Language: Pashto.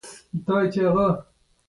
څوک چې هر څه وایي وایي دي